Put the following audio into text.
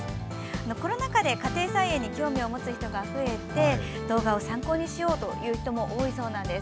コロナ禍で家庭菜園に興味を持つ人が増えて動画を参考にしようという人も多いそうなんです。